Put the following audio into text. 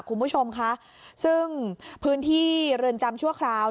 คุณผู้ชมค่ะซึ่งพื้นที่เรือนจำชั่วคราว